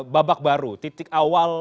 babak baru titik awal